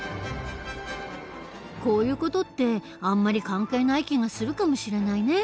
こういう事ってあんまり関係ない気がするかもしれないね。